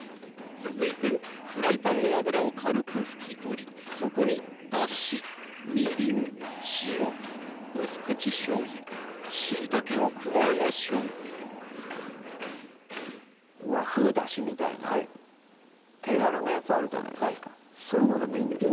続いてフライパンの油を軽く拭き取りそこにだし・みりん・塩・薄口しょうゆ・しいたけを加えましょう和風だしみたいな手軽なやつあるじゃないですかそういうのでもいいんですか？